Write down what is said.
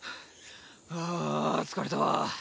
ああ疲れた。